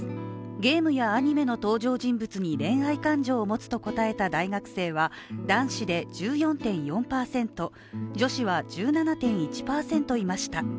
ゲームやアニメの登場人物に恋愛感情を持つと答えた大学生は男子で１４．４％、女子は１７．１％いました。